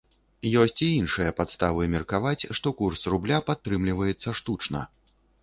Ёсць і іншыя падставы меркаваць, што курс рубля падтрымліваецца штучна.